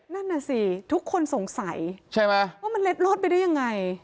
นั่นน่ะสิทุกคนสงสัยใช่ไหมว่ามันเล็ดลอดไปได้ยังไง